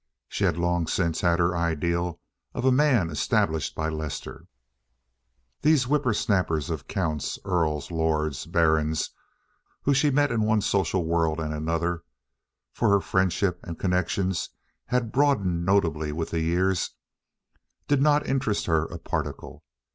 She had long since had her ideal of a man established by Lester. These whipper snappers of counts, earls, lords, barons, whom she met in one social world and another (for her friendship and connections had broadened notably with the years), did not interest her a particle.